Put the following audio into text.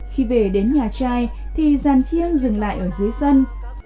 khi về đến nhà trai thì giàn chiêng dừng lại ở dưới sân